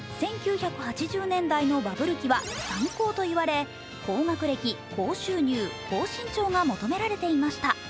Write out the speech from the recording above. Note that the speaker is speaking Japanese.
１９８０年代のバブル期は３高といわれ高学歴、高収入、高身長が求められていました。